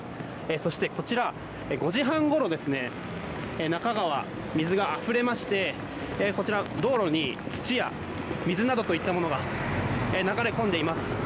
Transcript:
そしてこちら、５時半ごろ那珂川、水があふれましてこちら、道路に土や水などといったものが流れ込んでいます。